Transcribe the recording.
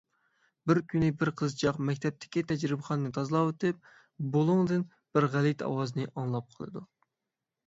بىر كۈنى بىر قىزچاق مەكتەپتىكى تەجرىبىخانىنى تازىلاۋېتىپ بۇلۇڭدىن بىر غەلىتە ئاۋازنى ئاڭلاپ قالىدۇ.